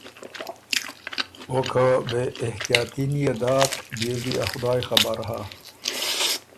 او که بې احتیاطي ن داک بيې ل دی ا خدایٛ خبر هۀ